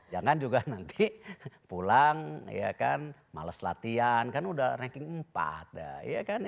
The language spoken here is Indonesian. jangan juga nanti pulang ya kan males latihan kan udah ranking empat dah ya kan